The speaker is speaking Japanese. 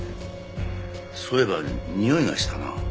そういえばにおいがしたな。